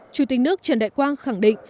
chủ tịch nước trần đại quang khẳng định